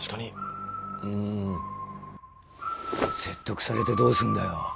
説得されてどうすんだよ。